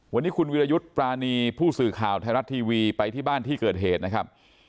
วันนี้คุณวิรยุทธ์ปรานีผู้สื่อข่าวไทยรัฐทีวีไปที่บ้านที่เกิดเหตุนะครับ